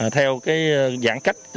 theo cái giãn cách